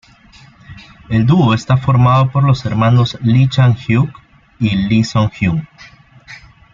El dúo está formado por los hermanos Lee Chan-hyuk y Lee Soo-hyun.